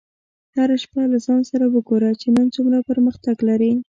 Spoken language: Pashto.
هره شپه له ځان سره وګوره چې نن څومره پرمختګ لرې.